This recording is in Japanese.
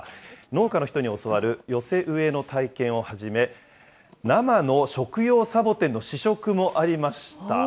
農家の人に教わる寄せ植えの体験をはじめ、生の食用サボテンの試食もありました。